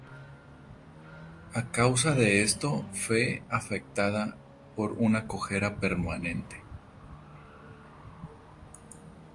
A causa de esto fe afectada por una cojera permanente.